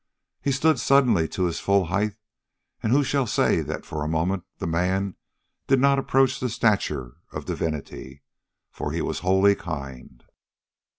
He stood suddenly to his full height, and who shall say that for a moment the man did not approach the stature of divinity for he was wholly kind.